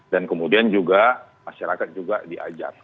dan kemudian juga masyarakat juga diajar